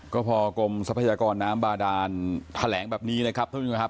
ก็พอกรมทรัพยากรน้ำบาดานแถลงแบบนี้นะครับท่านผู้ชมครับ